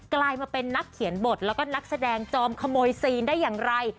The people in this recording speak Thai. กลายมาเป็นนักเขียนบทแล้วก็นักแสดงจอมขโมยซีนได้อย่างไร